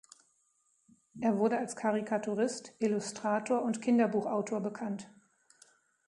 Er wurde als Karikaturist, Illustrator und Kinderbuchautor bekannt.